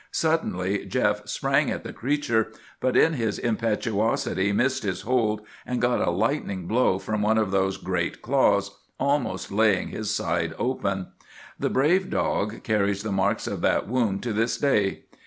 Suddenly Jeff sprang at the creature, but in his impetuosity missed his hold, and got a lightning blow from one of those great claws, almost laying his side open. The brave dog carries the marks of that wound to this day.